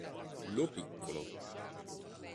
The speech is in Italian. Lo Piccolo